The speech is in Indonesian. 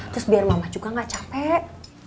terus biar mama juga gak capek